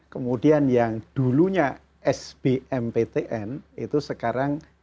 kemudian yang dulunya sbmptn itu sekarang